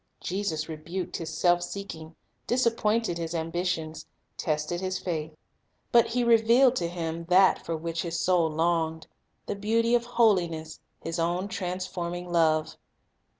Jesus rebuked his self seeking, disappointed his ambitions, tested his faith. But He revealed to him that for which his soul longed, — the beauty of holiness, His own transforming love.